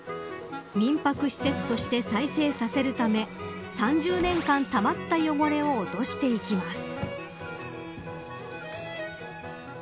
民泊施設として再生させるため３０年間たまった汚れを落としていきます。